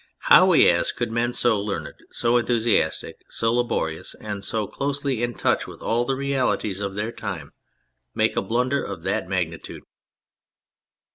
How, we ask, could men so learned, so enthusiastic, so laborious and so closely in touch with all the realities of their time, make a blunder of that magnitude